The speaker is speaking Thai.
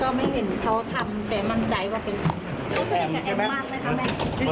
ก็ไม่เห็นเขาทำแต่มั่งใจว่าเป็นเขา